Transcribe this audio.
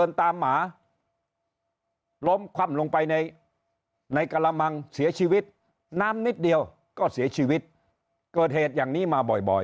น้ำนิดเดียวก็เสียชีวิตเกิดเหตุอย่างนี้มาบ่อย